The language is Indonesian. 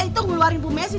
itu ngeluarin bu messi